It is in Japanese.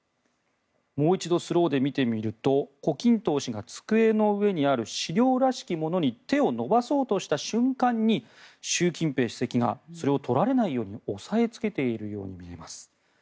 もう一度スローで見てみると胡錦涛氏が机の上にある資料らしきものに手を伸ばそうとした瞬間に習近平主席がそれを取られないように押さえつけているように見えます。